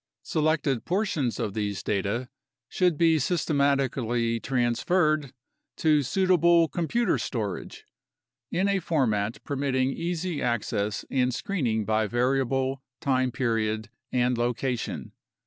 Selected portions of these data should be systematically transferred to suitable computer storage, in a format permitting easy access and screening by variable, time period, and location.